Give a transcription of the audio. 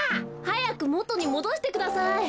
はやくもとにもどしてください。